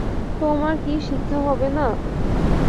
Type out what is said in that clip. তোমার কি শিক্ষা হবে না?